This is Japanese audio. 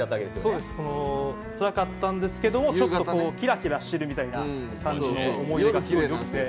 そうですつらかったんですけどもちょっとキラキラしてるみたいな思い出がすごいあります。